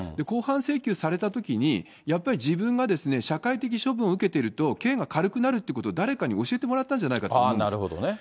公判請求されたときに、やっぱり自分が社会的処分を受けていると、刑が軽くなるということを誰かに教えてもらったんじゃないかと思うんです。